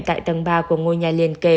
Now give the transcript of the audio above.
tại tầng ba của ngôi nhà liền kề